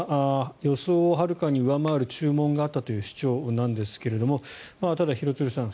予想をはるかに上回る注文があったという主張ですがただ、廣津留さん